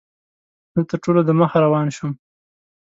زه تر ټولو دمخه روان شوم.